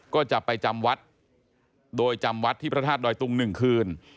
ก็จะไปจำวัดโดยจำวัดที่พระธาตุดอยตุง๑คืน